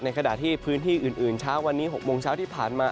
ขณะที่พื้นที่อื่นเช้าวันนี้๖โมงเช้าที่ผ่านมา